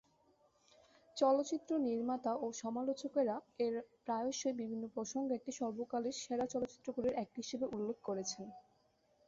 চলচ্চিত্র নির্মাতা ও সমালোচকেরা এর প্রায়শই বিভিন্ন প্রসঙ্গে এটিকে সর্বকালের সেরা চলচ্চিত্রগুলির একটি হিসেবে উল্লেখ করেছেন।